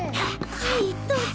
はいどうぞ。